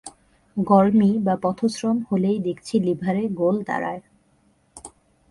গরমি বা পথশ্রম হলেই দেখছি লিভারে গোল দাঁড়ায়।